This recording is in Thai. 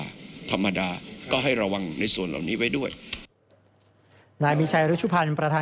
กตบอกไว้ดังนั้นสิ่งที่ไม่แน่ใจก็ไม่ควรทำ